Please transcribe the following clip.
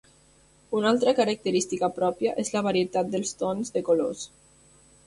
Una altra característica pròpia és la varietat dels tons de colors.